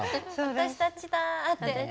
「私たちだ」って。